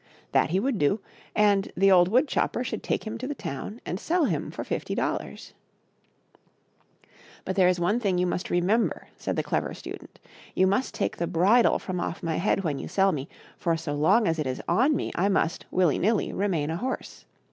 That he would do, and the old wood chopper should take him to the town and sell him for fifty dollars. " But there is one thing you must remember," said the Clever Student, •* you must take the bridle from off my head when you sell me, for so long 52 THE CLEVER STUDENT AND THE MASTER OF BLACK ARTS. as it is on me I must, willy nilly, remain a horse.